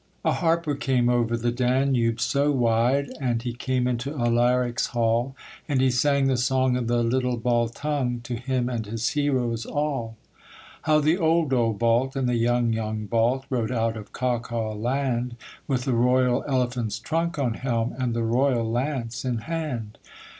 395 A harper came over the Danube so wide, And he came into Alaric's hall, And he sang the song of the little Baltung To him and his heroes all. How the old old Balt and the young young Balt Rode out of Caucaland, With the royal elephant's trunk on helm And the royal lance in hand.